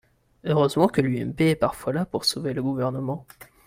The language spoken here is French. Heureusement que l’UMP est parfois là pour sauver le Gouvernement